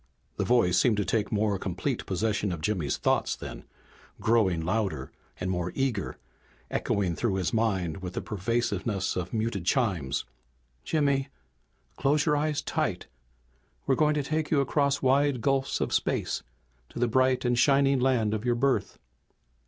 The voice seemed to take more complete possession of Jimmy's thoughts then, growing louder and more eager, echoing through his mind with the persuasiveness of muted chimes. "Jimmy, close your eyes tight. We're going to take you across wide gulfs of space to the bright and shining land of your birth."